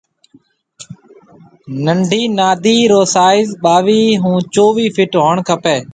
ننڊِي نادِي رو سائز ٻاوِي کان چويھ فٽ ھوڻ کپيَ